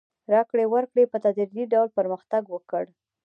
راکړې ورکړې په تدریجي ډول پرمختګ وکړ.